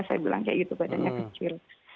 saya bilang kayak gitu badannya kecil